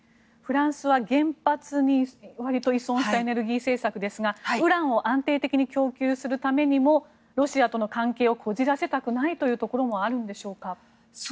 フランスは原発に依存したエネルギー政策ですがウランを安定的に供給するためにもロシアとの関係をこじらせたくないというところもあるんでしょうか。